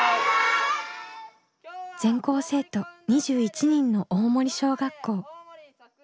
全校生徒２１人の大森小学校。